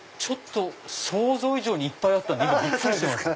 想像以上にいっぱいあったんで今びっくりしてます。